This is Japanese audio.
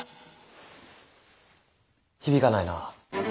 響かないな。